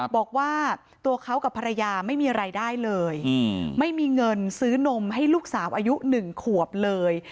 บอกว่าตัวเขากับภรรยาไม่มีรายได้เลยไม่มีเงินซื้อนมให้ลูกสาวอายุ๑ขวบเลย